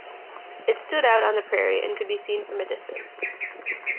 It stood out on the prairie and could be seen from a distance.